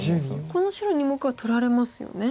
この白２目は取られますよね？